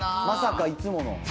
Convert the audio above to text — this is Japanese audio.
まさかいつもの？